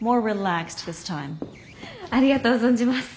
ありがとう存じます。